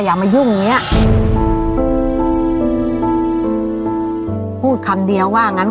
แล้วแม่ก็เดินลงไห้กลับบ้าน